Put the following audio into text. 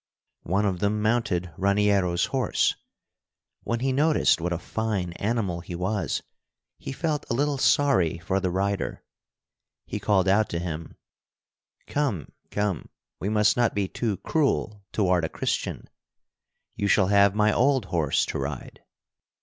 One of them mounted Raniero's horse. When he noticed what a fine animal he was, he felt a little sorry for the rider. He called out to him: "Come, come, we must not be too cruel toward a Christian. You shall have my old horse to ride."